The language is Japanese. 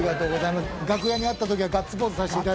楽屋にあったときはガッツポーズさせていただいてます。